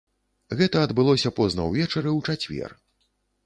Гэта адбылося позна ўвечары ў чацвер.